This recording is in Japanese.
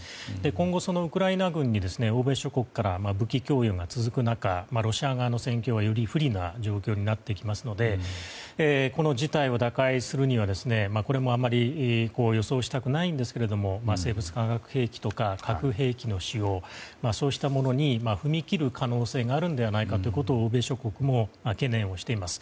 今後、ウクライナ軍に欧米諸国から武器供与が続く中ロシア側の戦況はより不利な状況になっていきますのでこの事態を打開するにはこれもあまり予想したくないんですけれども生物・化学兵器とか核兵器の使用そうしたものに踏み切る可能性があるのではないかということを欧米諸国も懸念しています。